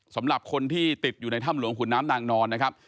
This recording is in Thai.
สำหรับคนที่ติดอยู่ในถ้ำหลวงขุนน้ำนางนอนนะครับ